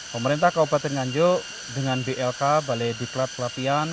pemerintah kabupaten nganjuk dengan blk balai diklat pelatihan